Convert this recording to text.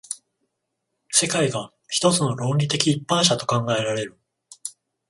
世界が一つの論理的一般者と考えられる。